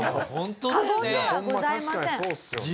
確かにそうですよね。